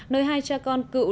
nơi hai cha con cựu